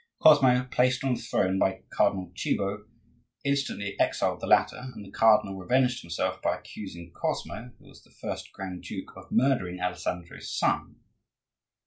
Cosmo, placed on the throne by Cardinal Cibo, instantly exiled the latter; and the cardinal revenged himself by accusing Cosmo (who was the first grand duke) of murdering Alessandro's son.